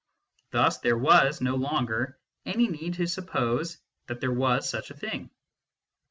Thus there was no longer any need to suppose that there was such a thing.